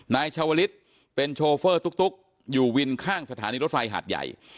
นายชาวลิศเป็นโชเฟอร์ตุ๊กอยู่วินข้างสถานีรถไฟหาดใหญ่